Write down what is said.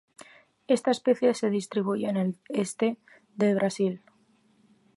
Esta especie se distribuye en el este del Brasil.